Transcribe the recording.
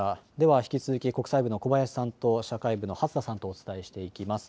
引き続き国際部の小林さんと社会部の初田さんとお伝えしていきます。